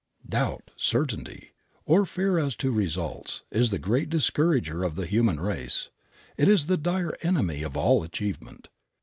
Doubt, uncertainty, or fear as to results, is the great discourager of the human race. It is the dire enemy of all achievement.